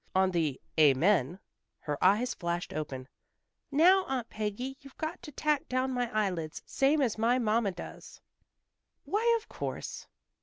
On the "Amen" her eyes flashed open. "Now, Aunt Peggy, you've got to tack down my eyelids, same as my mamma does." "Why, of course."